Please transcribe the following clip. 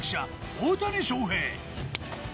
大谷翔平